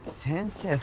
先生。